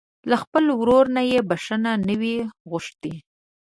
له خپل ورور نه يې بښته نه وي غوښتې.